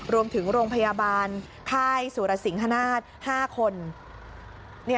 รวมถึงโรงพยาบาลค่ายสุรสิงห์ฮานาธ๕คน